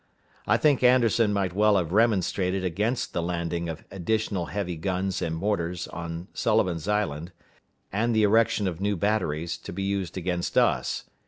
I think Anderson might well have remonstrated against the landing of additional heavy guns and mortars on Sullivan's Island, and the erection or new batteries, to be used against us.